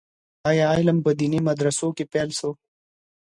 آيا علم په ديني مدرسو کي پيل سو؟